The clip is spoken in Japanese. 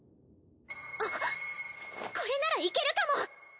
あっこれならいけるかも！